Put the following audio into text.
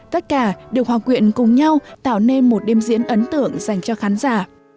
tất cả đều hòa quyện cùng nhau tạo nên một đêm diễn ấn tượng dành cho khán giả